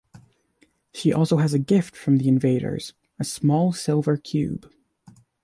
She also has a gift from the Invaders - a small silver cube.